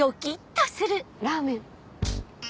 ラーメン。